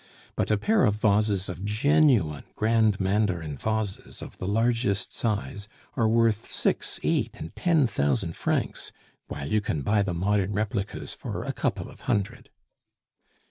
But a pair of vases of genuine 'grand mandarin' vases of the largest size, are worth, six, eight, and ten thousand francs, while you can buy the modern replicas for a couple of hundred!"